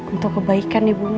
untuk kebaikan di bumi